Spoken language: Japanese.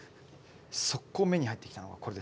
そっこう目に入ってきたのがこれです。